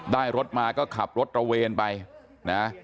รถมาก็ขับรถตระเวนไปนะ